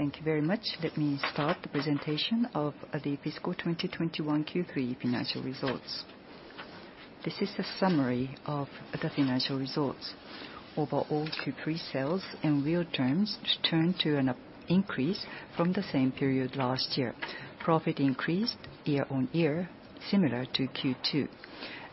Thank you very much. Let me start the presentation of the fiscal 2021 Q3 financial results. This is a summary of the financial results overall. Q3 sales in real terms returned to an increase from the same period last year. Profit increased year-on-year, similar to Q2.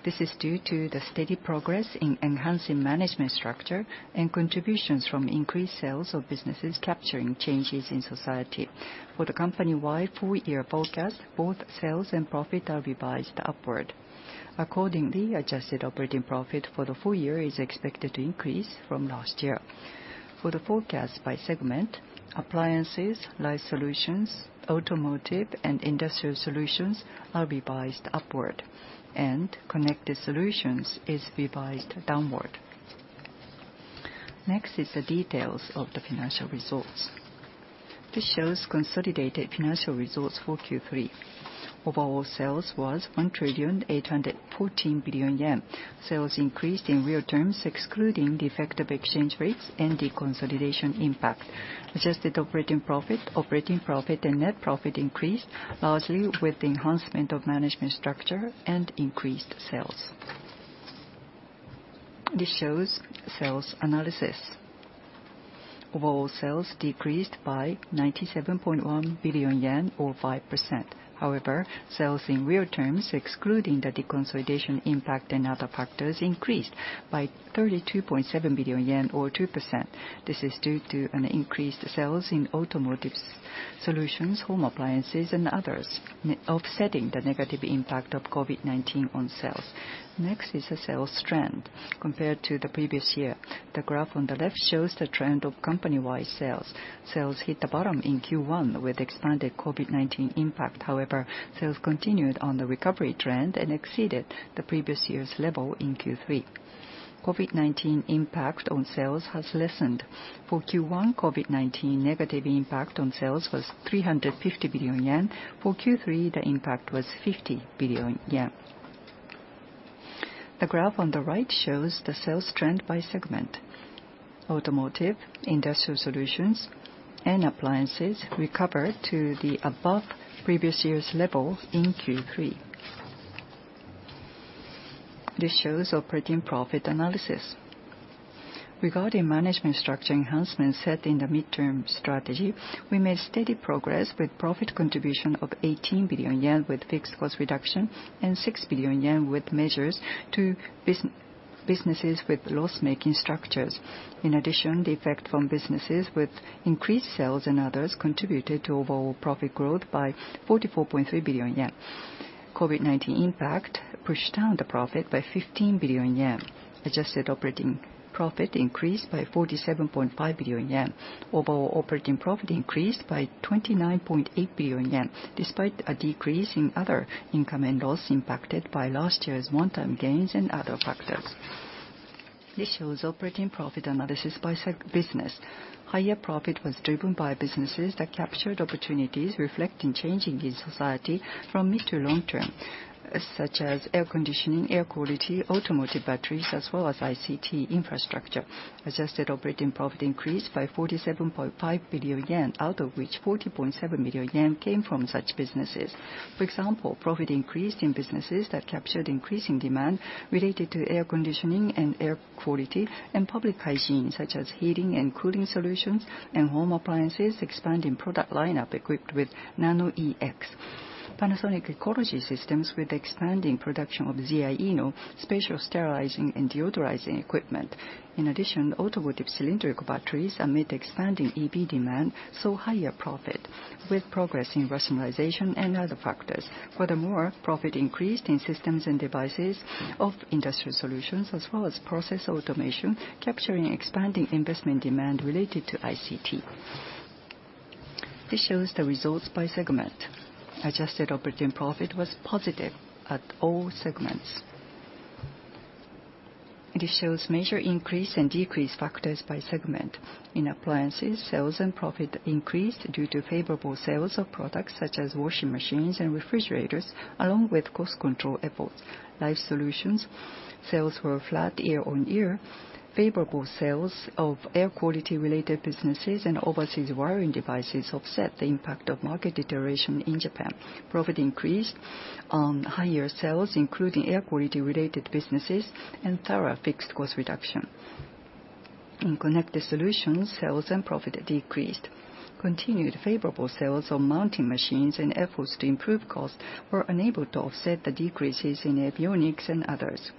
This is due to the steady progress in enhancing management structure and contributions from increased sales of businesses capturing changes in society. For the company-wide four-year forecast, both sales and profit are revised upward. Accordingly, adjusted operating profit for the full year is expected to increase from last year. For the forecast by segment, appliances, life solutions, automotive, and industrial solutions are revised upward, and connected solutions is revised downward. Next is the details of the financial results. This shows consolidated financial results for Q3. Overall sales was 1 trillion 814 billion. Sales increased in real terms, excluding the effect of exchange rates and the consolidation impact. Adjusted operating profit, operating profit, and net profit increased largely with the enhancement of management structure and increased sales. This shows sales analysis. Overall sales decreased by 97.1 billion yen, or 5%. However, sales in real terms, excluding the consolidation impact and other factors, increased by 32.7 billion yen, or 2%. This is due to an increased sales in automotive solutions, home appliances, and others, offsetting the negative impact of COVID-19 on sales. Next is the sales trend compared to the previous year. The graph on the left shows the trend of company-wide sales. Sales hit the bottom in Q1 with the expanded COVID-19 impact. However, sales continued on the recovery trend and exceeded the previous year's level in Q3. COVID-19 impact on sales has lessened. For Q1, COVID-19 negative impact on sales was 350 billion yen. For Q3, the impact was 50 billion yen. The graph on the right shows the sales trend by segment. Automotive, industrial solutions, and appliances recovered to the above previous year's level in Q3. This shows operating profit analysis. Regarding management structure enhancement set in the midterm strategy, we made steady progress with profit contribution of 18 billion yen with fixed cost reduction and 6 billion yen with measures to businesses with loss-making structures. In addition, the effect from businesses with increased sales and others contributed to overall profit growth by 44.3 billion yen. COVID-19 impact pushed down the profit by 15 billion yen. Adjusted operating profit increased by 47.5 billion yen. Overall operating profit increased by 29.8 billion yen, despite a decrease in other income and loss impacted by last year's one-time gains and other factors. This shows operating profit analysis by business. Higher profit was driven by businesses that captured opportunities, reflecting changes in society from mid to long term, such as air conditioning, air quality, automotive batteries, as well as ICT infrastructure. Adjusted operating profit increased by 47.5 billion yen, out of which 40.7 billion yen came from such businesses. For example, profit increased in businesses that captured increasing demand related to air conditioning and air quality and public hygiene, such as heating and cooling solutions and home appliances, expanding product lineup equipped with NanoEX, Panasonic Ecology Systems with expanding production of Ziaino special sterilizing and deodorizing equipment. In addition, automotive cylindrical batteries amid expanding EV demand saw higher profit, with progress in rationalization and other factors. Furthermore, profit increased in systems and devices of industrial solutions, as well as process automation, capturing expanding investment demand related to ICT. This shows the results by segment. Adjusted operating profit was positive at all segments. This shows major increase and decrease factors by segment. In appliances, sales and profit increased due to favorable sales of products such as washing machines and refrigerators, along with cost control efforts. Life solutions sales were flat year-on-year. Favorable sales of air quality-related businesses and overseas wiring devices offset the impact of market deterioration in Japan. Profit increased on higher sales, including air quality-related businesses and thorough fixed cost reduction. In connected solutions, sales and profit decreased. Continued favorable sales of mounting machines and efforts to improve costs were unable to offset the decreases in avionics and others.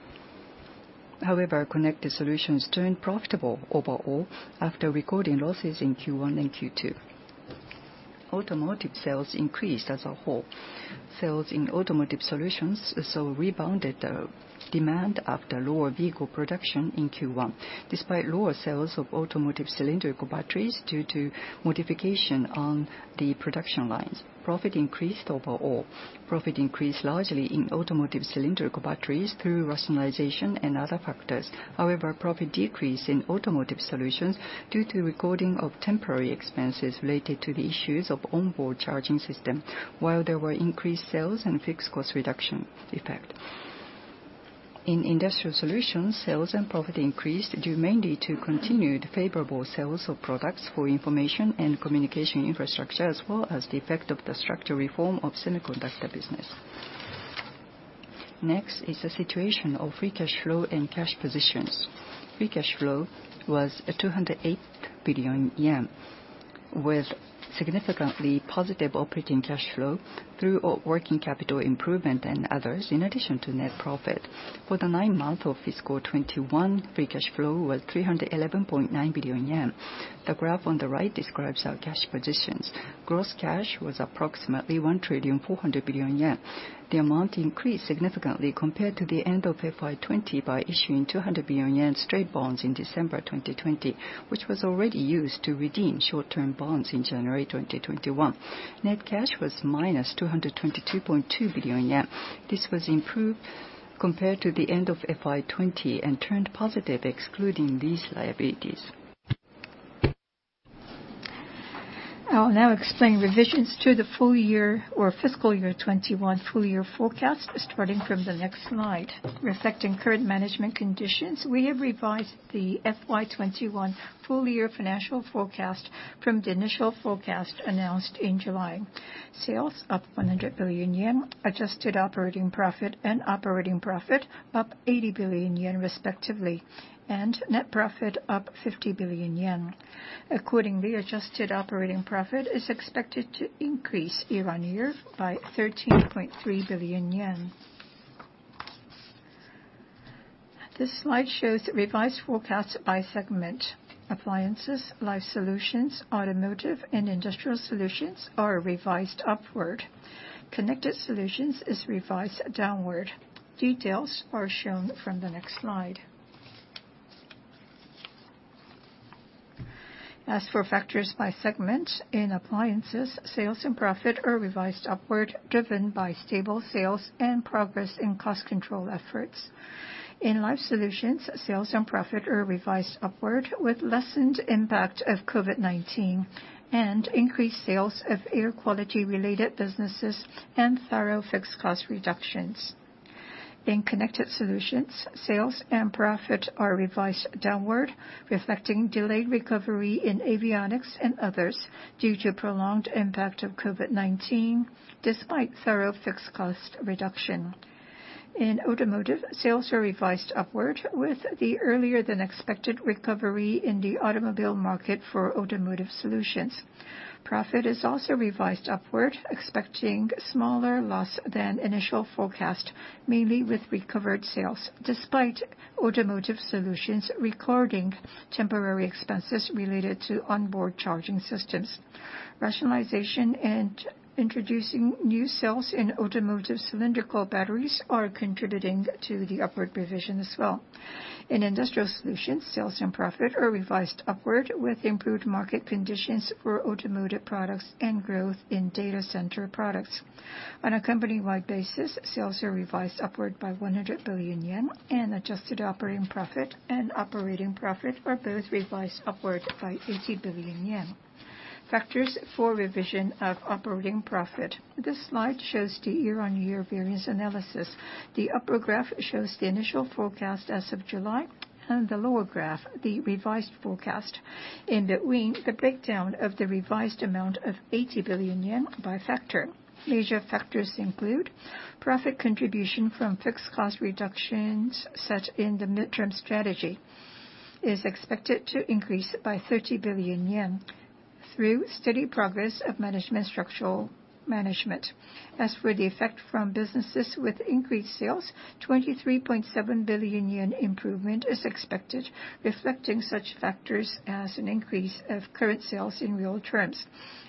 However, connected solutions turned profitable overall after recording losses in Q1 and Q2. Automotive sales increased as a whole. Sales in automotive solutions saw rebounded demand after lower vehicle production in Q1, despite lower sales of automotive cylindrical batteries due to modification on the production lines. Profit increased overall. Profit increased largely in automotive cylindrical batteries through rationalization and other factors. However, profit decreased in automotive solutions due to recording of temporary expenses related to the issues of onboard charging system, while there were increased sales and fixed cost reduction effect. In industrial solutions, sales and profit increased due mainly to continued favorable sales of products for information and communication infrastructure, as well as the effect of the structural reform of semiconductor business. Next is the situation of free cash flow and cash positions. Free cash flow was 208 billion yen, with significantly positive operating cash flow through working capital improvement and others, in addition to net profit. For the ninth month of fiscal 2021, free cash flow was 311.9 billion yen. The graph on the right describes our cash positions. Gross cash was approximately 1 trillion 400 billion. The amount increased significantly compared to the end of fiscal year 2020 by issuing 200 billion yen straight bonds in December 2020, which was already used to redeem short-term bonds in January 2021. Net cash was minus 222.2 billion yen. This was improved compared to the end of fiscal year 2020 and turned positive, excluding these liabilities. I'll now explain revisions to the full year or fiscal year 2021 full year forecast, starting from the next slide. Reflecting current management conditions, we have revised the fiscal year 2021 full year financial forecast from the initial forecast announced in July. Sales up 100 billion yen, adjusted operating profit and operating profit up 80 billion yen, respectively, and net profit up 50 billion yen. Accordingly, adjusted operating profit is expected to increase year-on-year by JPY 13.3 billion. This slide shows revised forecast by segment. Appliances, life solutions, automotive, and industrial solutions are revised upward. Connected solutions is revised downward. Details are shown from the next slide. As for factors by segment, in appliances, sales and profit are revised upward, driven by stable sales and progress in cost control efforts. In life solutions, sales and profit are revised upward, with lessened impact of COVID-19 and increased sales of air quality-related businesses and thorough fixed cost reductions. In connected solutions, sales and profit are revised downward, reflecting delayed recovery in avionics and others due to prolonged impact of COVID-19, despite thorough fixed cost reduction. In automotive, sales are revised upward, with the earlier than expected recovery in the automobile market for automotive solutions. Profit is also revised upward, expecting smaller loss than initial forecast, mainly with recovered sales, despite automotive solutions recording temporary expenses related to onboard charging systems. Rationalization and introducing new sales in automotive cylindrical batteries are contributing to the upward revision as well. In industrial solutions, sales and profit are revised upward, with improved market conditions for automotive products and growth in data center products. On a company-wide basis, sales are revised upward by 100 billion yen, and adjusted operating profit and operating profit are both revised upward by 80 billion yen. Factors for revision of operating profit. This slide shows the year-on-year variance analysis. The upper graph shows the initial forecast as of July, and the lower graph the revised forecast. In between, the breakdown of the revised amount of 80 billion yen by factor. Major factors include profit contribution from fixed cost reductions set in the midterm strategy is expected to increase by 30 billion yen through steady progress of management structural management. As for the effect from businesses with increased sales, 23.7 billion yen improvement is expected, reflecting such factors as an increase of current sales in real terms.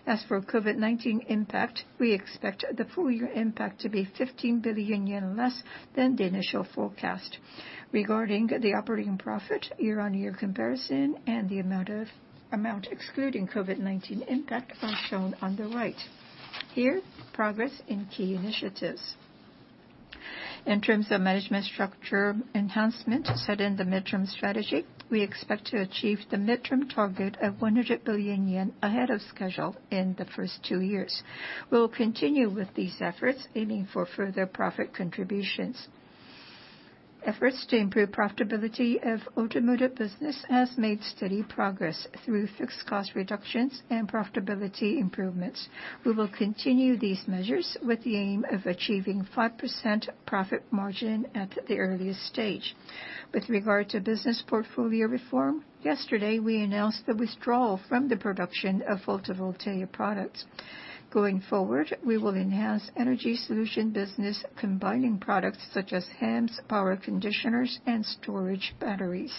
As for COVID-19 impact, we expect the full year impact to be 15 billion yen less than the initial forecast. Regarding the operating profit, year-on-year comparison, and the amount excluding COVID-19 impact are shown on the right. Here, progress in key initiatives. In terms of management structure enhancement set in the midterm strategy, we expect to achieve the midterm target of 100 billion yen ahead of schedule in the first two years. We will continue with these efforts, aiming for further profit contributions. Efforts to improve profitability of automotive business have made steady progress through fixed cost reductions and profitability improvements. We will continue these measures with the aim of achieving 5% profit margin at the earliest stage. With regard to business portfolio reform, yesterday we announced the withdrawal from the production of photovoltaic products. Going forward, we will enhance energy solution business, combining products such as hammers, power conditioners, and storage batteries.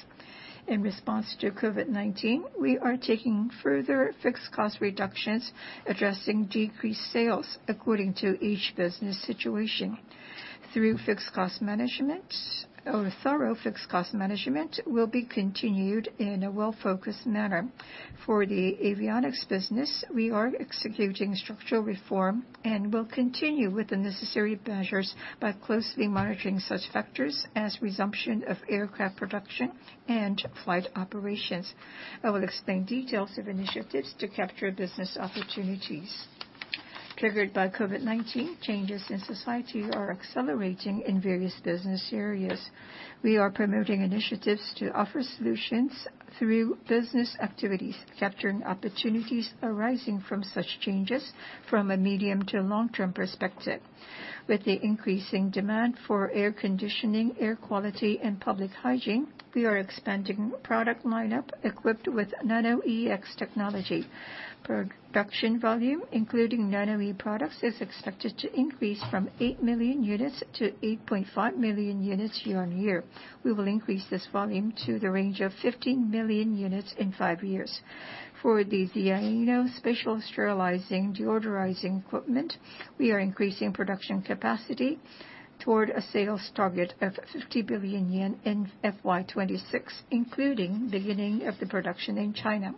In response to COVID-19, we are taking further fixed cost reductions, addressing decreased sales according to each business situation. Through fixed cost management, thorough fixed cost management will be continued in a well-focused manner. For the avionics business, we are executing structural reform and will continue with the necessary measures by closely monitoring such factors as resumption of aircraft production and flight operations. I will explain details of initiatives to capture business opportunities. Triggered by COVID-19, changes in society are accelerating in various business areas. We are promoting initiatives to offer solutions through business activities, capturing opportunities arising from such changes from a medium to long-term perspective. With the increasing demand for air conditioning, air quality, and public hygiene, we are expanding product lineup equipped with NanoEX technology. Production volume, including NanoE products, is expected to increase from 8 million units to 8.5 million units year-on-year. We will increase this volume to the range of 15 million units in five years. For the Ziaino special sterilizing deodorizing equipment, we are increasing production capacity toward a sales target of 50 billion yen in fiscal year 2026, including beginning of the production in China.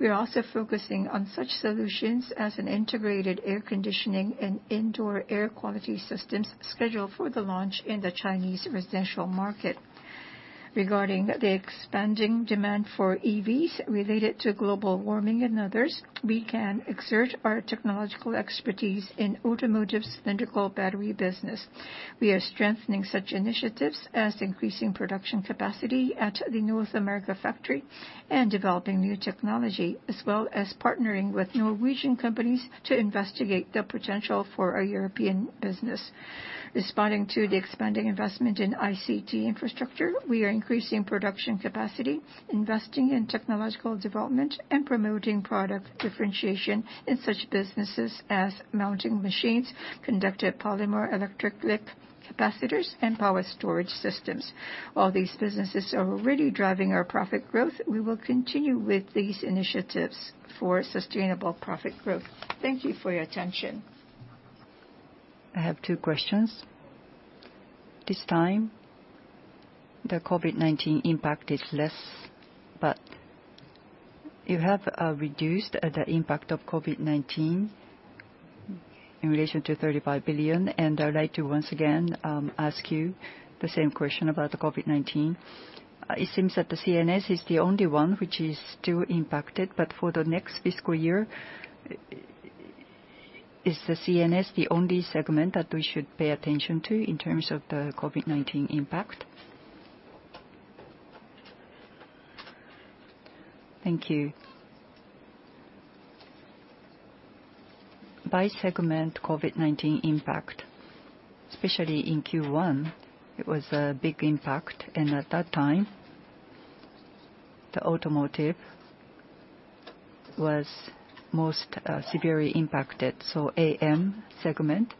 We are also focusing on such solutions as an integrated air conditioning and indoor air quality systems scheduled for the launch in the Chinese residential market. Regarding the expanding demand for EVs related to global warming and others, we can exert our technological expertise in automotive cylindrical battery business. We are strengthening such initiatives as increasing production capacity at the North America factory and developing new technology, as well as partnering with Norwegian companies to investigate the potential for a European business. Responding to the expanding investment in ICT infrastructure, we are increasing production capacity, investing in technological development, and promoting product differentiation in such businesses as mounting machines, conductive polymer electric capacitors, and power storage systems. While these businesses are already driving our profit growth, we will continue with these initiatives for sustainable profit growth. Thank you for your attention. I have two questions. This time, the COVID-19 impact is less, but you have reduced the impact of COVID-19 in relation to 35 billion, and I'd like to once again ask you the same question about the COVID-19. It seems that the CNS is the only one which is still impacted, but for the next fiscal year, is the CNS the only segment that we should pay attention to in terms of the COVID-19 impact? Thank you. segment, COVID-19 impact, especially in Q1, it was a big impact, and at that time, the automotive was most severely impacted. AM segment,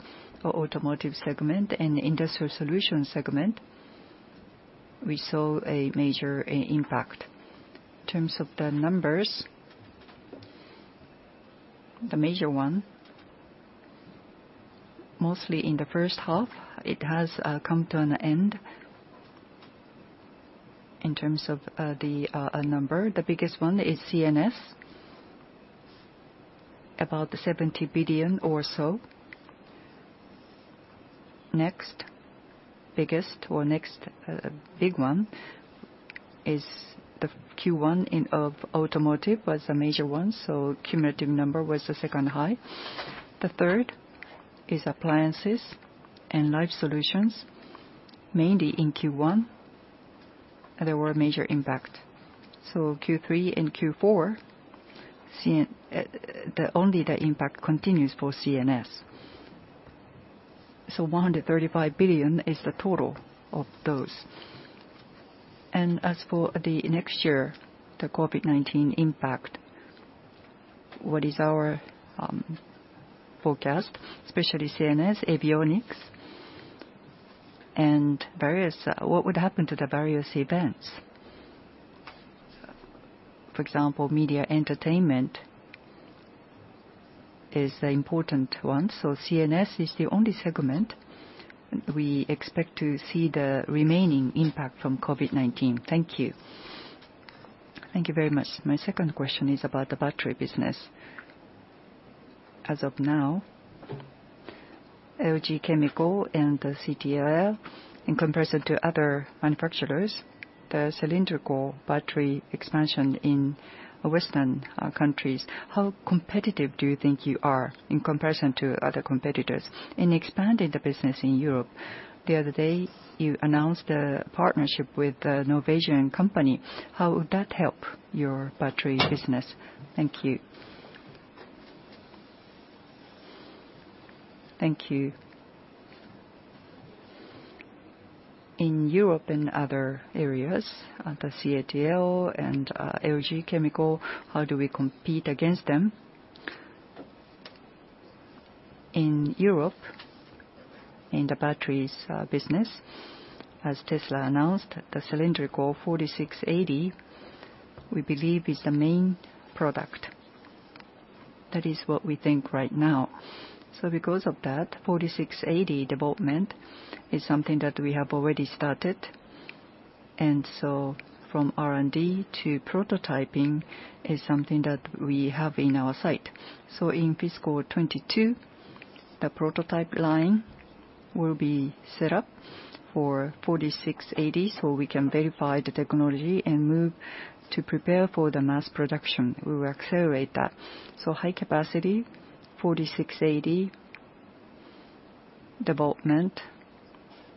or automotive segment, and industrial solution segment, we saw a major impact. In terms of the numbers, the major one, mostly in the first half, it has come to an end in terms of the number. The biggest one is CNS, about JPY 70 billion or so. Next biggest or next big one is the Q1 of automotive was a major one, so cumulative number was the second high. The third is appliances and life solutions, mainly in Q1, there were a major impact. Q3 and Q4, only the impact continues for CNS. 135 billion is the total of those. As for the next year, the COVID-19 impact, what is our forecast, especially CNS, avionics, and various what would happen to the various events? For example, media entertainment is the important one. CNS is the only segment we expect to see the remaining impact from COVID-19. Thank you. Thank you very much. My second question is about the battery business. As of now, LG Chemical and CATL, in comparison to other manufacturers, the cylindrical battery expansion in Western countries, how competitive do you think you are in comparison to other competitors? In expanding the business in Europe, the other day, you announced the partnership with the Norwegian company. How would that help your battery business? Thank you. Thank you. In Europe and other areas, CATL and LG Chemical, how do we compete against them? In Europe, in the batteries business, as Tesla announced, the cylindrical 4680, we believe, is the main product. That is what we think right now. Because of that, 4680 development is something that we have already started. From R&D to prototyping is something that we have in our site. In fiscal 2022, the prototype line will be set up for 4680 so we can verify the technology and move to prepare for the mass production. We will accelerate that. High capacity 4680 development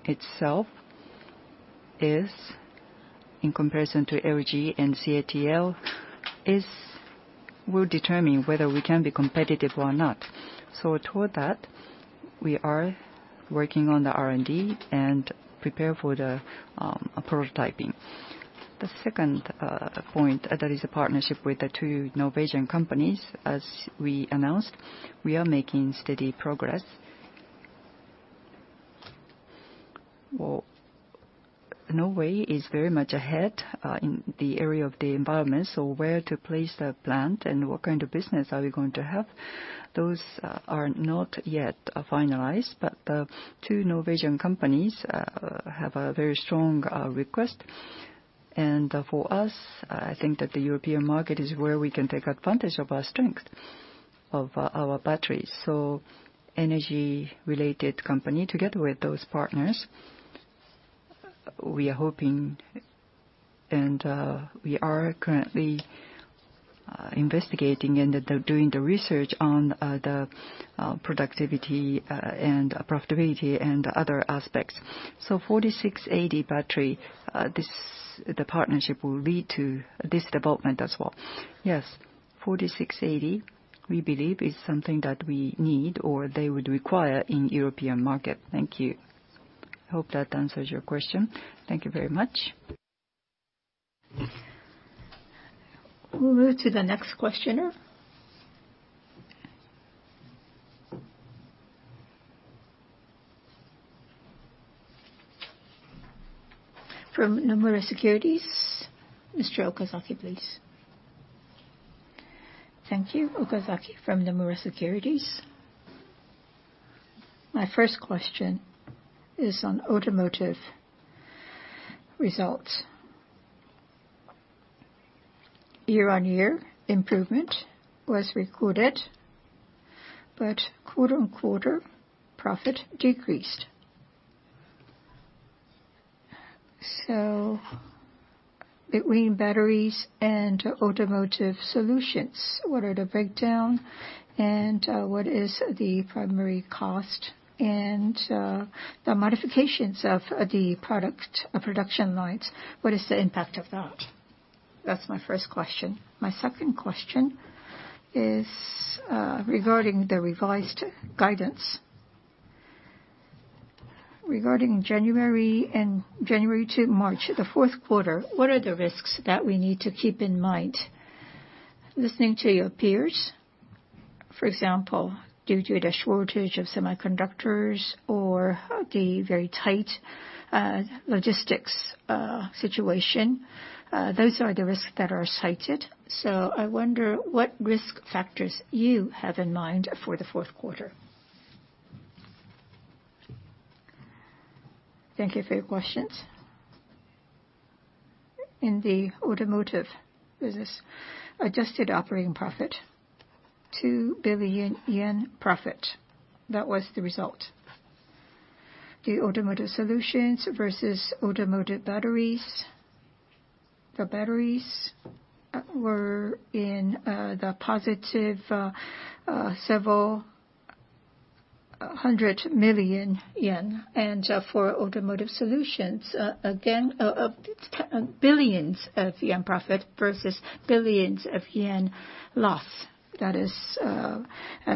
itself is, in comparison to LG and CATL, will determine whether we can be competitive or not. Toward that, we are working on the R&D and prepare for the prototyping. The second point, that is a partnership with the two Norwegian companies, as we announced, we are making steady progress. Norway is very much ahead in the area of the environment, so where to place the plant and what kind of business are we going to have? Those are not yet finalized, but the two Norwegian companies have a very strong request. For us, I think that the European market is where we can take advantage of our strength of our batteries. Energy-related company, together with those partners, we are hoping, and we are currently investigating and doing the research on the productivity and profitability and other aspects. 4680 battery, the partnership will lead to this development as well. Yes, 4680, we believe, is something that we need or they would require in the European market. Thank you. I hope that answers your question. Thank you very much. We'll move to the next questioner. From Nomura Securities, Mr. Okazaki, please. Thank you. Okazaki from Nomura Securities. My first question is on automotive results. Year-on-year improvement was recorded, but quarter-on-quarter profit decreased. Between batteries and automotive solutions, what are the breakdown and what is the primary cost and the modifications of the product production lines? What is the impact of that? That's my first question. My second question is regarding the revised guidance. Regarding January to March, the fourth quarter, what are the risks that we need to keep in mind? Listening to your peers, for example, due to the shortage of semiconductors or the very tight logistics situation, those are the risks that are cited. I wonder what risk factors you have in mind for the fourth quarter. Thank you for your questions. In the automotive business, adjusted operating profit, 2 billion yen profit. That was the result. The automotive solutions versus automotive batteries, the batteries were in the positive several hundred million yen. For automotive solutions, again, billions of yen profit versus billions of yen loss. That is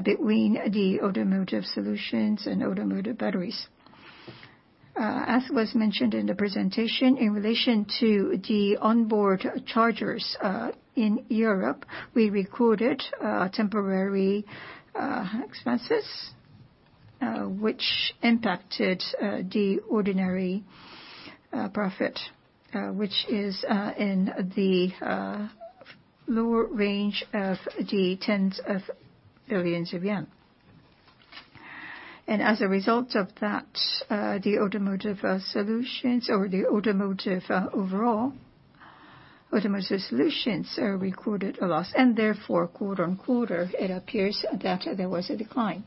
between the automotive solutions and automotive batteries. As was mentioned in the presentation, in relation to the onboard chargers in Europe, we recorded temporary expenses, which impacted the ordinary profit, which is in the lower range of the tens of billions of JPY. As a result of that, the automotive solutions or the automotive overall, automotive solutions recorded a loss. Therefore, quarter on quarter, it appears that there was a decline.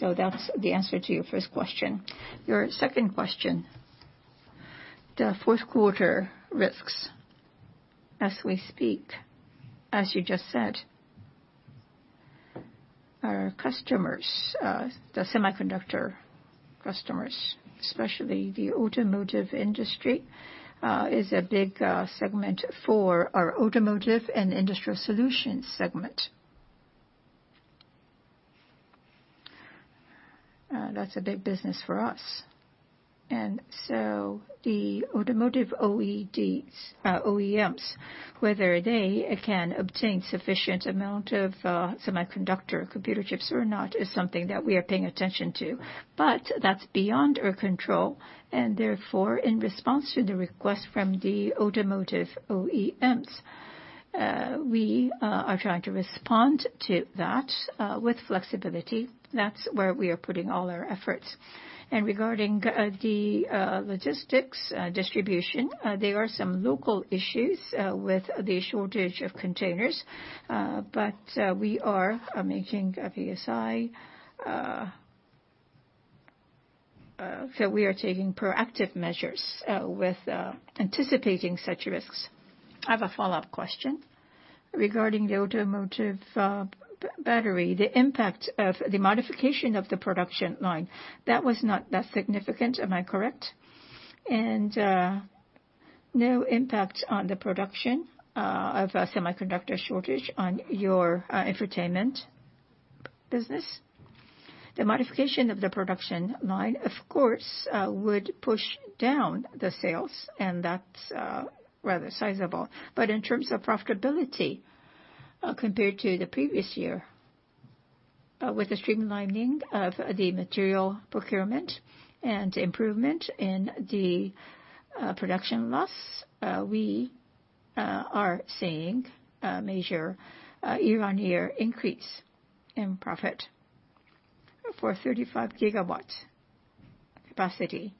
That is the answer to your first question. Your second question, the fourth quarter risks, as we speak, as you just said, our customers, the semiconductor customers, especially the automotive industry, is a big segment for our automotive and industrial solutions segment. That is a big business for us. The automotive OEMs, whether they can obtain sufficient amount of semiconductor computer chips or not, is something that we are paying attention to. That is beyond our control. Therefore, in response to the request from the automotive OEMs, we are trying to respond to that with flexibility. That is where we are putting all our efforts. Regarding the logistics distribution, there are some local issues with the shortage of containers, but we are making a PSI, so we are taking proactive measures with anticipating such risks. I have a follow-up question. Regarding the automotive battery, the impact of the modification of the production line, that was not that significant, am I correct? No impact on the production of semiconductor shortage on your entertainment business? The modification of the production line, of course, would push down the sales, and that is rather sizable. In terms of profitability compared to the previous year, with the streamlining of the material procurement and improvement in the production loss, we are seeing a major year-on-year increase in profit for 35 GW capacity.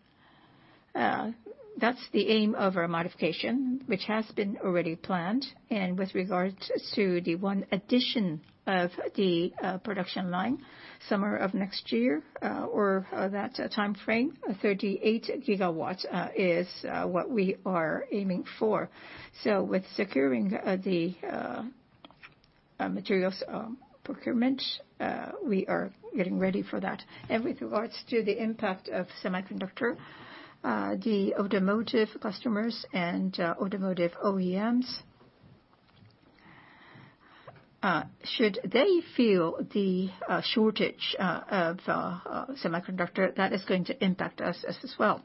That is the aim of our modification, which has been already planned. With regards to the one addition of the production line summer of next year or that time frame, 38 GW is what we are aiming for. With securing the materials procurement, we are getting ready for that. With regards to the impact of semiconductor, the automotive customers and automotive OEMs, should they feel the shortage of semiconductor, that is going to impact us as well.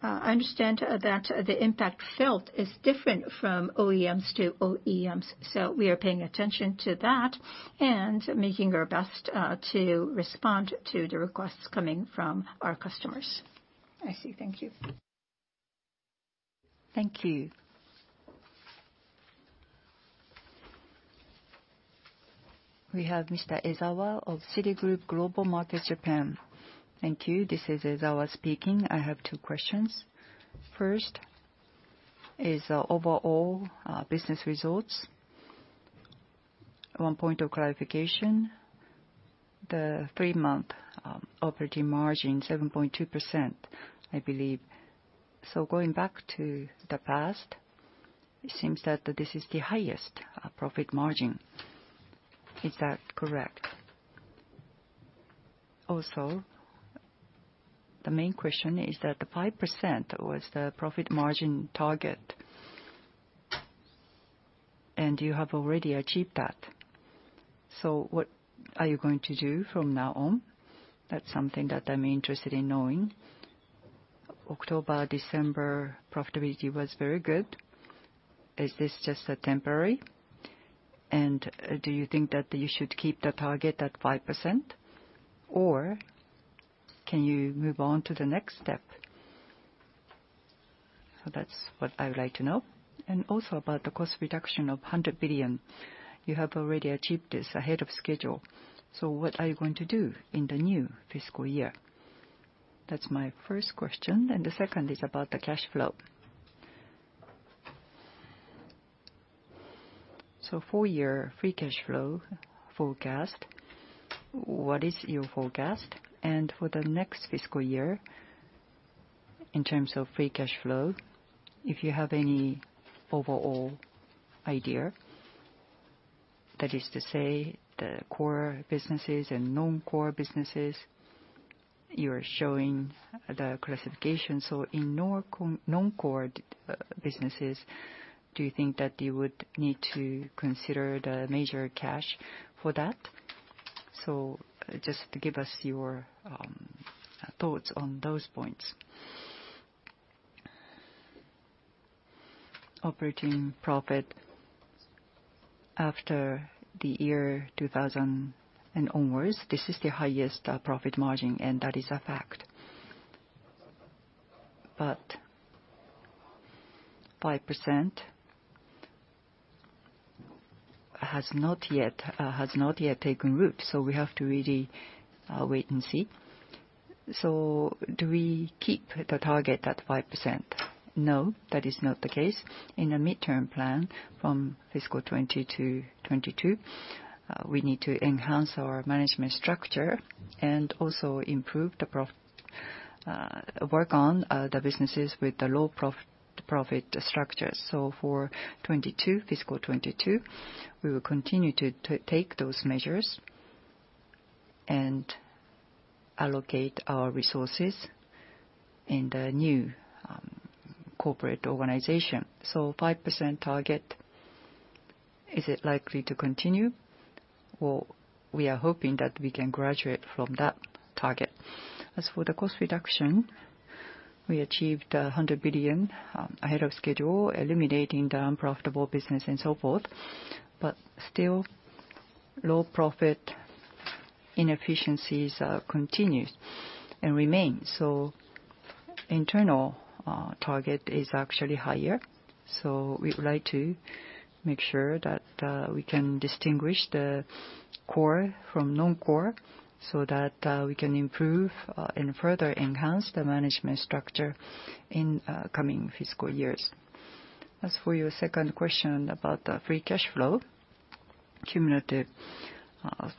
I understand that the impact felt is different from OEMs to OEMs. We are paying attention to that and making our best to respond to the requests coming from our customers. I see. Thank you. Thank you. We have Mr. Ezawa of Citigroup Global Markets Japan. Thank you. This is Ezawa speaking. I have two questions. First is overall business results. One point of clarification, the three-month operating margin, 7.2%, I believe. Going back to the past, it seems that this is the highest profit margin. Is that correct? Also, the main question is that the 5% was the profit margin target, and you have already achieved that. What are you going to do from now on? That is something that I'm interested in knowing. October-December profitability was very good. Is this just temporary? Do you think that you should keep the target at 5%, or can you move on to the next step? That is what I would like to know. Also, about the cost reduction of 100 billion, you have already achieved this ahead of schedule. What are you going to do in the new fiscal year? That is my first question. The second is about the cash flow. For your free cash flow forecast, what is your forecast? For the next fiscal year, in terms of free cash flow, if you have any overall idea, that is to say the core businesses and non-core businesses, you are showing the classification. In non-core businesses, do you think that they would need to consider the major cash for that? Just give us your thoughts on those points. Operating profit after the year 2000 and onwards, this is the highest profit margin, and that is a fact. However, 5% has not yet taken root, so we have to really wait and see. Do we keep the target at 5%? No, that is not the case. In the midterm plan from fiscal 2020 to 2022, we need to enhance our management structure and also improve the work on the businesses with the low profit structure. For fiscal 2022, we will continue to take those measures and allocate our resources in the new corporate organization. 5% target, is it likely to continue? We are hoping that we can graduate from that target. As for the cost reduction, we achieved 100 billion ahead of schedule, eliminating the unprofitable business and so forth. Still, low profit inefficiencies continue and remain. Internal target is actually higher. We would like to make sure that we can distinguish the core from non-core so that we can improve and further enhance the management structure in coming fiscal years. As for your second question about the free cash flow, cumulative of JPY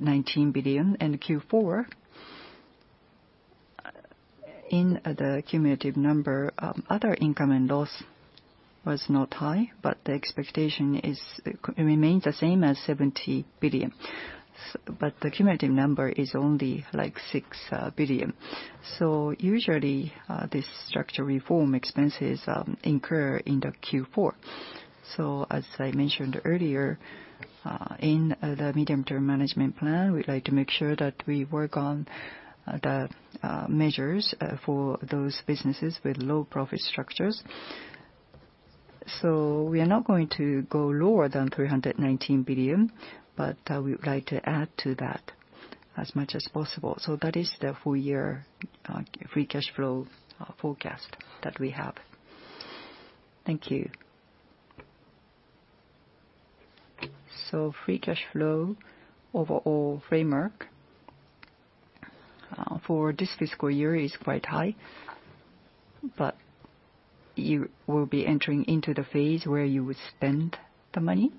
319 billion and Q4, in the cumulative number, other income and loss was not high, but the expectation remained the same as 70 billion. The cumulative number is only like 6 billion. Usually, this structural reform expenses incur in Q4. As I mentioned earlier, in the medium-term management plan, we'd like to make sure that we work on the measures for those businesses with low profit structures. We are not going to go lower than 319 billion, but we would like to add to that as much as possible. That is the full-year free cash flow forecast that we have. Thank you. Free cash flow overall framework for this fiscal year is quite high, but you will be entering into the phase where you would spend the money.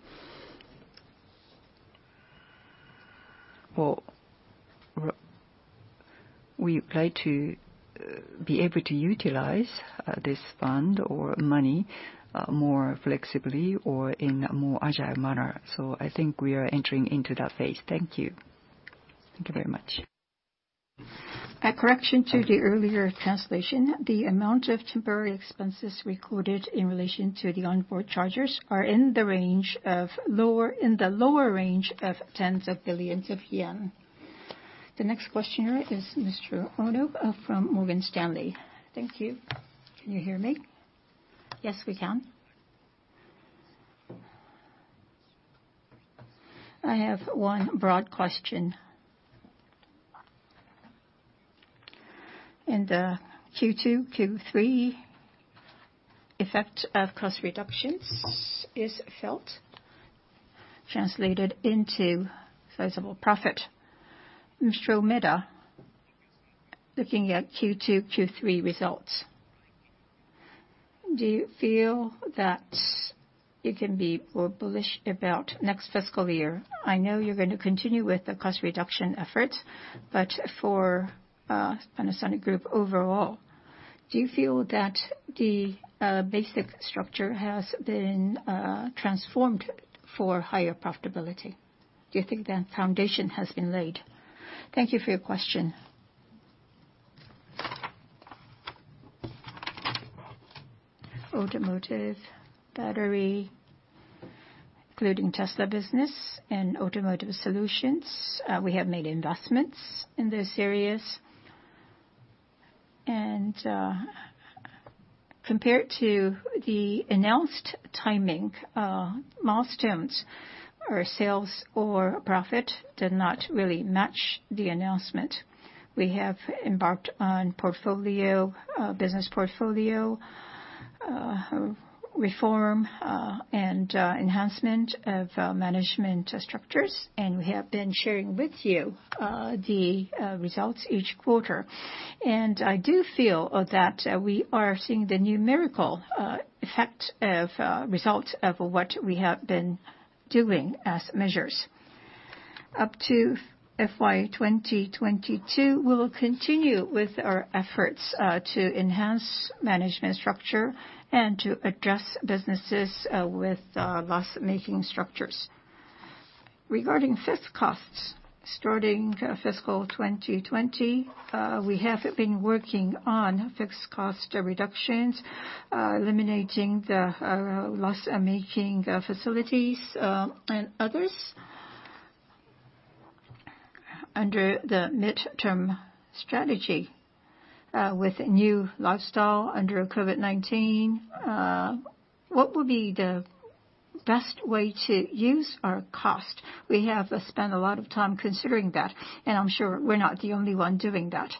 We would like to be able to utilize this fund or money more flexibly or in a more agile manner. I think we are entering into that phase. Thank you. Thank you very much. A correction to the earlier translation. The amount of temporary expenses recorded in relation to the onboard chargers are in the lower range of tens of billions of yen. The next questioner is Mr. Ono from Morgan Stanley. Thank you. Can you hear me? Yes, we can. I have one broad question. In the Q2, Q3, effect of cost reductions is felt translated into sizable profit. Mr. Omeda, looking at Q2, Q3 results, do you feel that you can be more bullish about next fiscal year? I know you're going to continue with the cost reduction efforts, but for Panasonic Group overall, do you feel that the basic structure has been transformed for higher profitability? Do you think that foundation has been laid? Thank you for your question. Automotive battery, including Tesla business and automotive solutions, we have made investments in those areas. Compared to the announced timing, milestones or sales or profit did not really match the announcement. We have embarked on portfolio, business portfolio reform and enhancement of management structures, and we have been sharing with you the results each quarter. I do feel that we are seeing the numerical effect of results of what we have been doing as measures. Up to FY 2022, we will continue with our efforts to enhance management structure and to address businesses with loss-making structures. Regarding fixed costs, starting fiscal 2020, we have been working on fixed cost reductions, eliminating the loss-making facilities and others under the midterm strategy with new lifestyle under COVID-19. What will be the best way to use our cost? We have spent a lot of time considering that, and I'm sure we're not the only one doing that.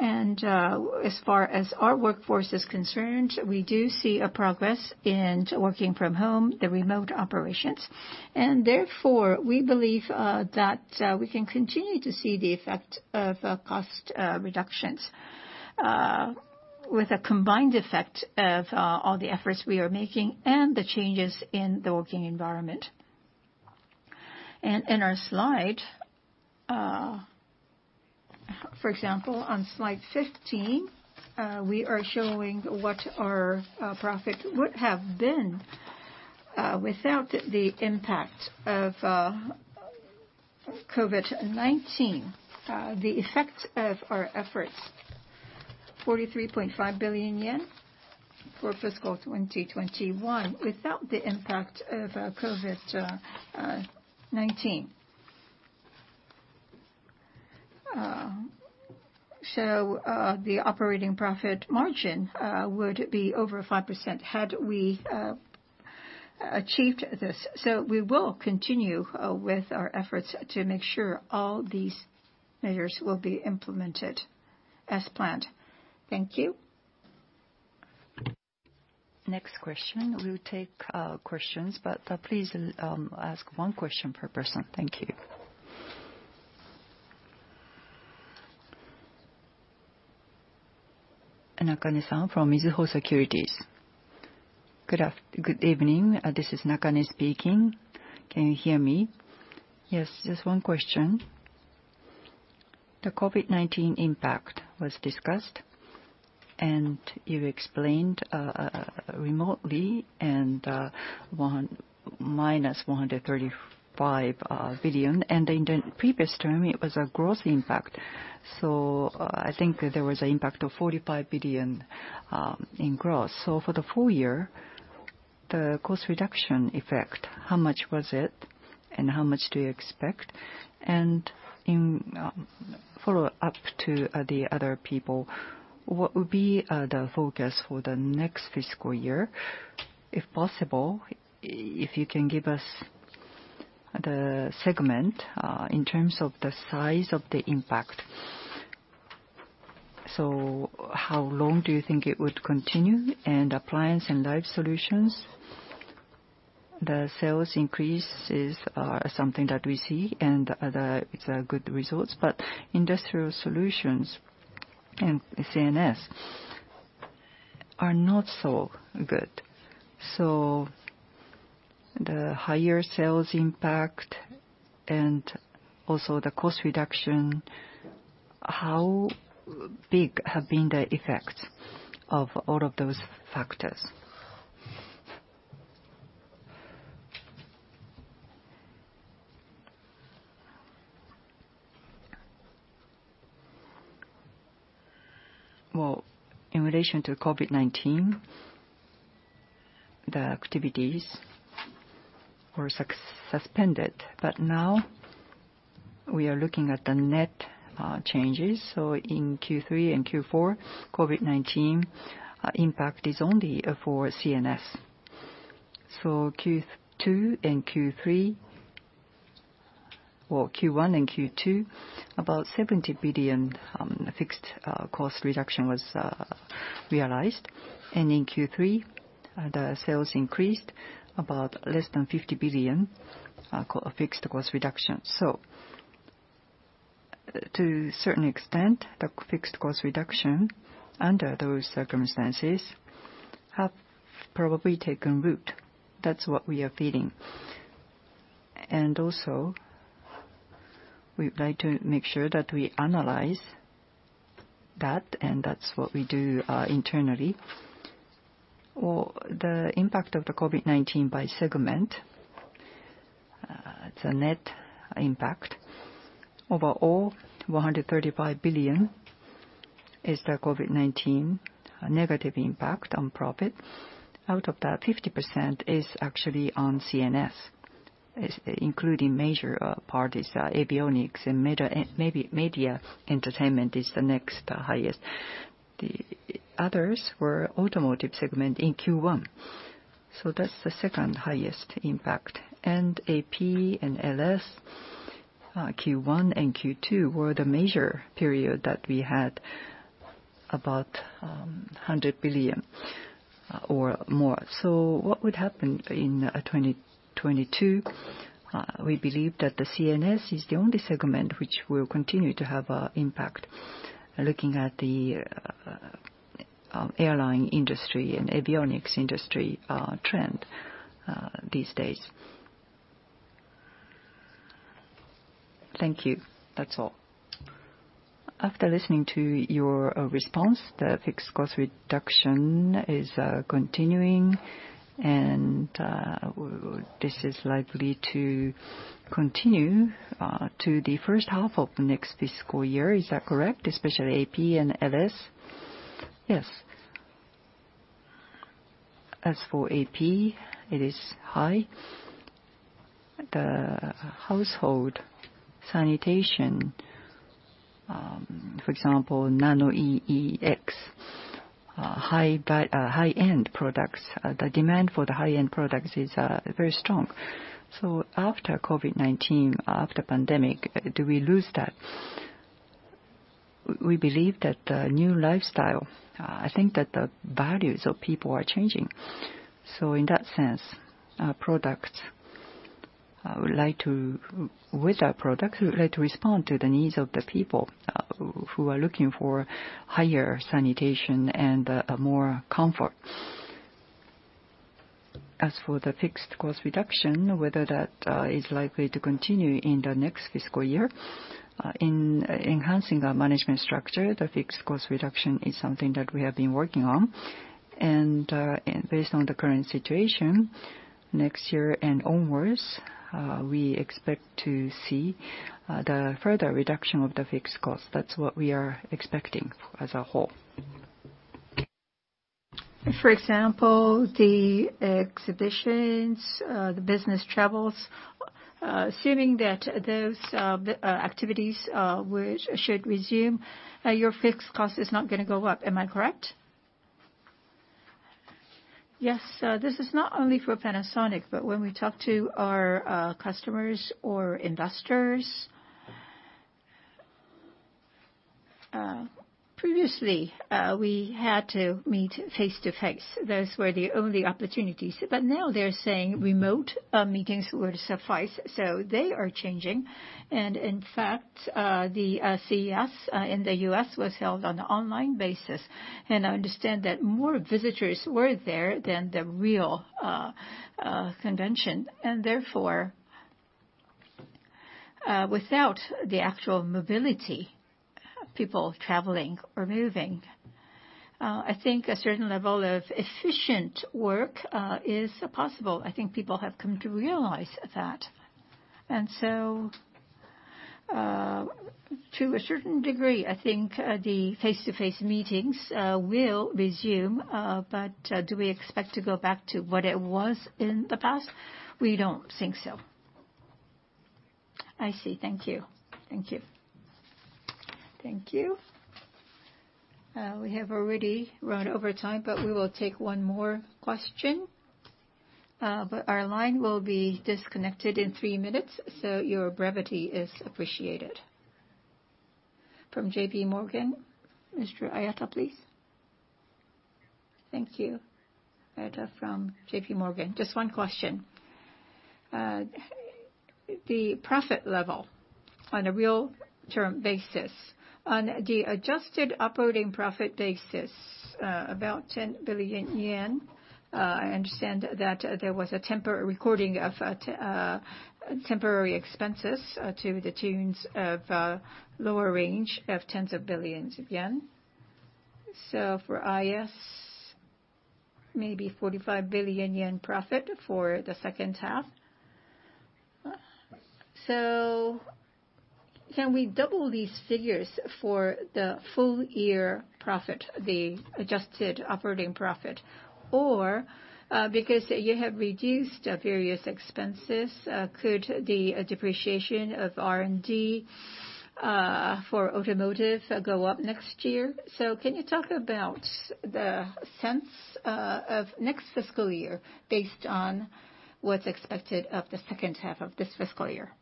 As far as our workforce is concerned, we do see a progress in working from home, the remote operations. Therefore, we believe that we can continue to see the effect of cost reductions with a combined effect of all the efforts we are making and the changes in the working environment. In our slide, for example, on slide 15, we are showing what our profit would have been without the impact of COVID-19, the effect of our efforts, 43.5 billion yen for fiscal 2021 without the impact of COVID-19. The operating profit margin would be over 5% had we achieved this. We will continue with our efforts to make sure all these measures will be implemented as planned. Thank you. Next question. We'll take questions, but please ask one question per person. Thank you. Nakane from Mizuho Securities. Good evening. This is Nakane speaking. Can you hear me? Yes. Just one question. The COVID-19 impact was discussed, and you explained remotely and minus 135 billion. In the previous term, it was a gross impact. I think there was an impact of 45 billion in gross. For the full year, the cost reduction effect, how much was it, and how much do you expect? In follow-up to the other people, what would be the focus for the next fiscal year? If possible, if you can give us the segment in terms of the size of the impact. How long do you think it would continue? Appliance and life solutions, the sales increase is something that we see, and it is a good result. Industrial solutions and CNS are not so good. The higher sales impact and also the cost reduction, how big have been the effects of all of those factors? In relation to COVID-19, the activities were suspended. Now we are looking at the net changes. In Q3 and Q4, COVID-19 impact is only for CNS. Q1 and Q2, about 70 billion fixed cost reduction was realized. In Q3, the sales increased about less than 50 billion fixed cost reduction. To a certain extent, the fixed cost reduction under those circumstances have probably taken root. is what we are feeling. Also, we would like to make sure that we analyze that, and that is what we do internally. The impact of COVID-19 by segment, the net impact, overall 135 billion is the COVID-19 negative impact on profit. Out of that, 50% is actually on CNS, including major parties, avionics, and media entertainment is the next highest. The others were automotive segment in Q1. That is the second highest impact. AP and LS, Q1 and Q2 were the major period that we had about 100 billion or more. What would happen in 2022? We believe that the CNS is the only segment which will continue to have an impact, looking at the airline industry and avionics industry trend these days. Thank you. That is all. After listening to your response, the fixed cost reduction is continuing, and this is likely to continue to the first half of next fiscal year. Is that correct? Especially AP and LS? Yes. As for AP, it is high. The household sanitation, for example, NanoEX, high-end products, the demand for the high-end products is very strong. After COVID-19, after the pandemic, do we lose that? We believe that the new lifestyle, I think that the values of people are changing. In that sense, with our products, we'd like to respond to the needs of the people who are looking for higher sanitation and more comfort. As for the fixed cost reduction, whether that is likely to continue in the next fiscal year, in enhancing our management structure, the fixed cost reduction is something that we have been working on. Based on the current situation, next year and onwards, we expect to see the further reduction of the fixed cost. That is what we are expecting as a whole. For example, the exhibitions, the business travels, assuming that those activities should resume, your fixed cost is not going to go up. Am I correct? Yes. This is not only for Panasonic, but when we talk to our customers or investors, previously, we had to meet face-to-face. Those were the only opportunities. Now they are saying remote meetings would suffice. They are changing. In fact, the CES in the US was held on an online basis. I understand that more visitors were there than the real convention. Therefore, without the actual mobility, people traveling or moving, I think a certain level of efficient work is possible. I think people have come to realize that. To a certain degree, I think the face-to-face meetings will resume. Do we expect to go back to what it was in the past? We do not think so. I see. Thank you. Thank you. Thank you. We have already run over time, but we will take one more question. Our line will be disconnected in three minutes, so your brevity is appreciated. From JPMorgan, Mr. Ayata, please. Thank you. Ayata from JPMorgan. Just one question. The profit level on a real-term basis, on the adjusted operating profit basis, about 10 billion yen. I understand that there was a temporary recording of temporary expenses to the tunes of lower range of tens of billions of yen. For IS, maybe 45 billion yen profit for the second half. Can we double these figures for the full year profit, the adjusted operating profit? Because you have reduced various expenses, could the depreciation of R&D for automotive go up next year? Can you talk about the sense of next fiscal year based on what is expected of the second half of this fiscal year?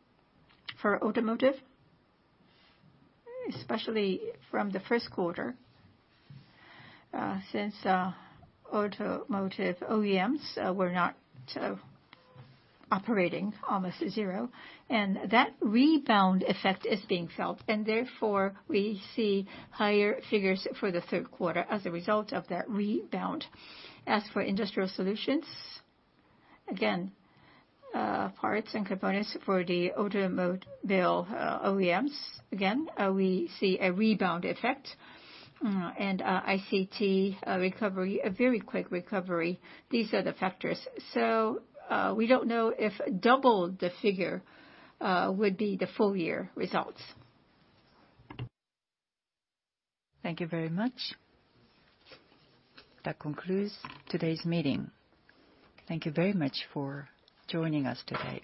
for automotive, especially from the first quarter since automotive OEMs were not operating, almost zero. That rebound effect is being felt. Therefore, we see higher figures for the third quarter as a result of that rebound. As for industrial solutions, again, parts and components for the automotive OEMs, we see a rebound effect and ICT recovery, a very quick recovery. These are the factors. We do not know if double the figure would be the full year results. Thank you very much. That concludes today's meeting. Thank you very much for joining us today.